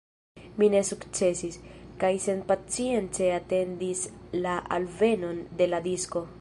Mi ne sukcesis, kaj senpacience atendis la alvenon de la disko.